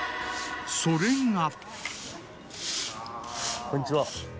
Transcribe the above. それが。